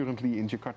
pemanggung di jakarta